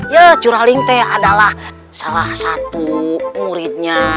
ya curaling teh adalah salah satu muridnya